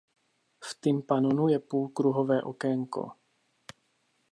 V tympanonu je půlkruhové okénko.